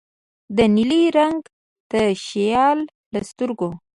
د نیلي رنګه تشیال له سترګو